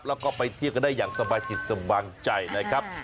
แล้วก็ไปเที่ยวกันได้อย่างสบายจิตสบายใจนะครับ